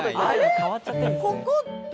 ここ。